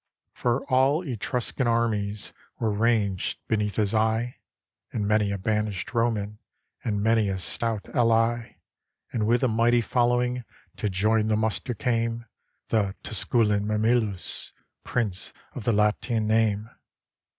For all the Etruscan armies Were ranged beneath his eye, And many a banished Roman, And many a stout ally; And with a mighty following To join the muster came The Tusculan Mamilius, Prince of the Latian name.